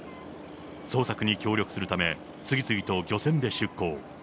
捜索に協力するため、次々と漁船で出港。